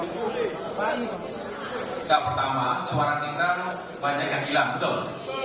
tidak pertama suara kita banyak yang hilang betul